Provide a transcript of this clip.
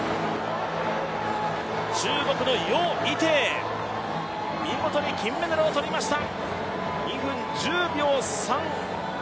中国の余依テイ、見事に金メダルを取りました。